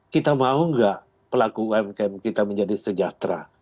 kita mau nggak pelaku umkm kita menjadi sejahtera